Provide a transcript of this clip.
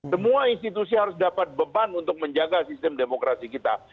semua institusi harus dapat beban untuk menjaga sistem demokrasi kita